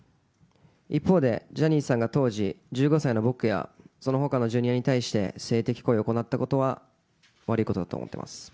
一方で、ジャニーさんが当時１５歳の僕やそのほかのジュニアに対して性的行為を行ったことは、悪いことだと思ってます。